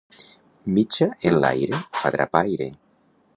Mitja enlaire fa drapaire.